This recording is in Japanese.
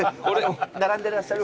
並んでらっしゃる。